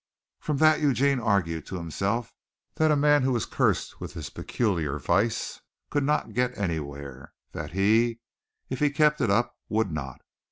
From that Eugene argued to himself that a man who was cursed with this peculiar vice could not get anywhere; that he, if he kept it up, would not.